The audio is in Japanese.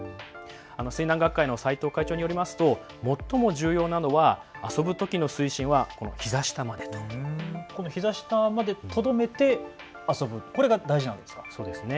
水難学会の斎藤会長によりますと最も重要なのは遊ぶときの水深はひざ下まで、このひざ下までとどめて遊ぶ、これが大事なんですか。